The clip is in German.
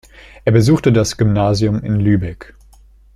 Er besuchte das Gymnasium in Lübeck.